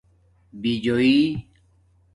بِجُویٔ